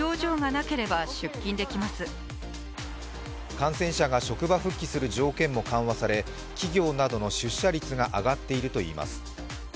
感染者が職場復帰する条件も緩和され企業などの出社率が上がっているといいます。